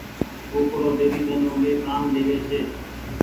ڪوُڪڙو ڍيلي ۮن اوڳي ٻآنگ ۮيوي ڇي۔